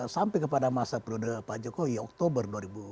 sampai kepada masa periode pak jokowi oktober dua ribu dua puluh